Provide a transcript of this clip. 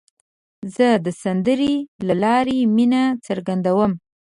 زه د سندرې له لارې مینه څرګندوم.